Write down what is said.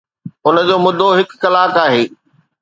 ان جو مدو هڪ ڪلاڪ آهي